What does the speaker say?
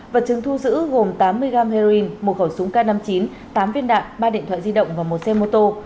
vật chứng thu giữ gồm tám mươi gam heroin một khẩu súng k năm mươi chín tám viên đạn ba điện thoại di động và một xe mô tô